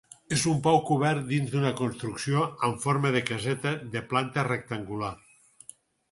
És un pou cobert dins d'una construcció en forma de caseta de planta rectangular.